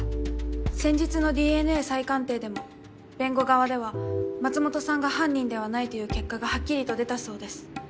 先日のＤＮＡ再鑑定でも弁護側では松本さんが犯人ではないという結果がはっきりと出たそうです。